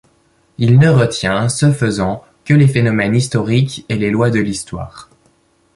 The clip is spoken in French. Il ne retient, ce faisant, que les phénomènes historiques et les lois de l'Histoire.